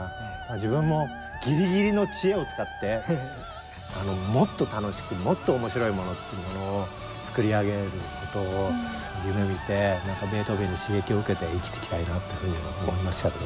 自分もぎりぎりの知恵を使ってあの「もっと楽しくもっと面白いもの」っていうものをつくり上げることを夢みてベートーベンに刺激を受けて生きていきたいなというふうには思いましたけど。